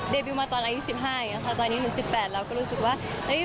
บิวมาตอนอายุ๑๕อย่างนี้ค่ะตอนนี้หนู๑๘เราก็รู้สึกว่า